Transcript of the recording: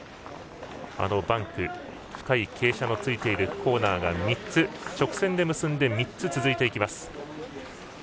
バンク、深い傾斜のついているコーナーが直線で結んで３つ続きます。